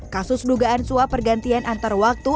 kasus dugaan suap pergantian antarwaktu